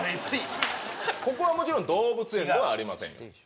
もちろん動物園ではありません。